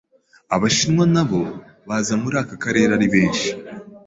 Abashinwa nabo baza muri aka karere ari benshi